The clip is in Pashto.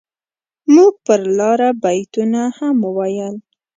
موږ پر لاره بيتونه هم ويل.